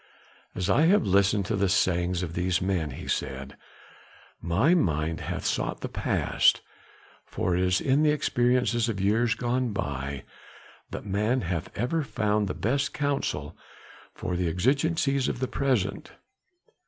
"As I have listened to the sayings of these men," he said, "my mind hath sought the past, for it is in the experiences of years gone by that man hath ever found the best council for the exigencies of the present.